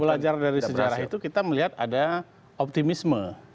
belajar dari sejarah itu kita melihat ada optimisme